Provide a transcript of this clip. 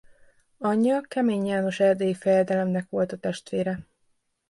Anyja Kemény János erdélyi fejedelemnek volt a testvére.